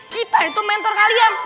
kita itu mentor kalian